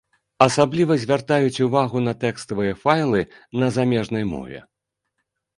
Асабліва звяртаюць увагу на тэкставыя файлы на замежнай мове.